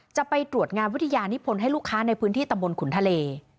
จะไปตรวจงานวิทยานิพลให้ลูกค้าในพื้นที่ตำบลขุนทะเล